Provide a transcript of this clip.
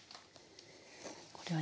これはね